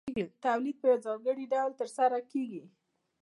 تولید په یو ځانګړي ډول ترسره کېږي